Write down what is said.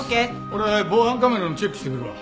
俺は防犯カメラのチェックしてくるわ。